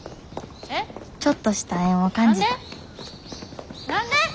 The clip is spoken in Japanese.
ちょっとした縁を感じた何で！？